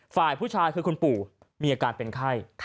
ฝ่ายผู้ชายคือคุณปู่มีอาการเป็นไข้